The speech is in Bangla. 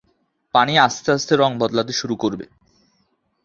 পানি আস্তে আস্তে রং বদলাতে শুরু করবে।